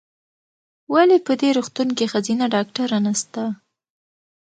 ولې په دي روغتون کې ښځېنه ډاکټره نسته ؟